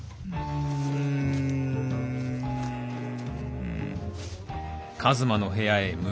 うん。